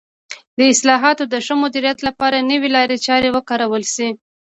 د حاصلاتو د ښه مدیریت لپاره نوې لارې چارې وکارول شي.